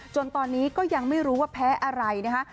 ตอนนี้ก็ยังไม่รู้ว่าแพ้อะไรนะคะ